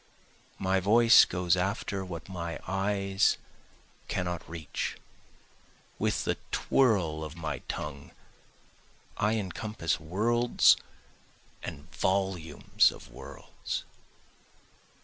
My voice goes after what my eyes cannot reach, With the twirl of my tongue I encompass worlds and volumes of worlds.